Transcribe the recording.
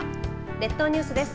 列島ニュースです。